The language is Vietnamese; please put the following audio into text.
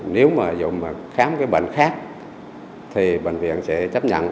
nếu mà dùng khám cái bệnh khác thì bệnh viện sẽ chấp nhận